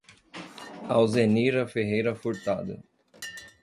Alzenira Ferreira Furtado